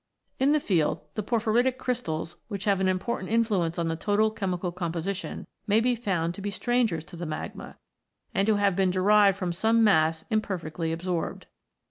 In the field, the porphyritic crystals, which have an important influence on the total chemical composition, may be found to be strangers to the magma, and to have been derived from some mass imperfectly absorbed.